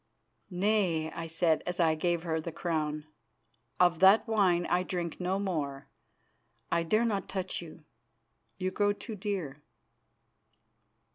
"Nay," I said, as I gave her the crown. "Of that wine I drink no more. I dare not touch you; you grow too dear."